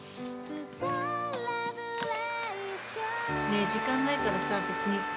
ねえ時間ないからさ別にいいよ。